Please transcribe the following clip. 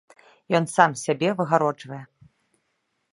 Ён сам сябе выгароджвае.